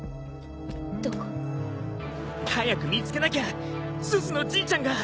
どこ？早く見つけなきゃすずのじいちゃんが。